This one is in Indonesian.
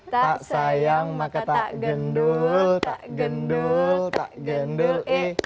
tak sayang maka tak gendul tak gendul tak gendul